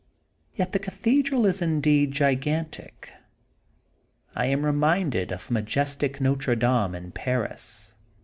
Yet the Cathedral is indeed gigantic. I am reminded of majestic Notre Dame in Paris.